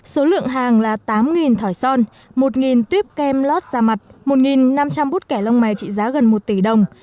số lượng hàng là tám thỏi son một tuyếp kem lót ra mặt một năm trăm linh bút kẻ lông mày trị giá gần một tỷ đồng